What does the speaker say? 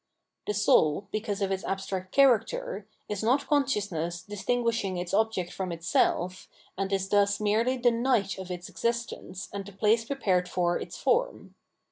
Tbe soul, because of its abstract character, is not consciousness distinguishing its object from itself, and is thus merely the night of its existence and the place prepared for its form.